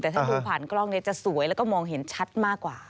แต่ถ้าดูผ่านกล้องจะสวยแล้วก็มองเห็นชัดมากกว่า